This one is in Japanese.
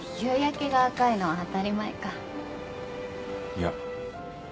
いや。